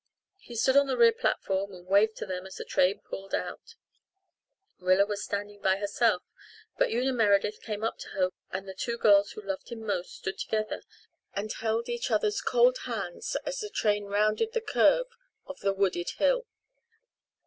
He stood on the rear platform and waved to them as the train pulled out. Rilla was standing by herself, but Una Meredith came to her and the two girls who loved him most stood together and held each other's cold hands as the train rounded the curve of the wooded hill.